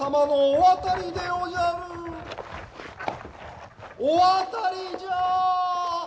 おわたりじゃ！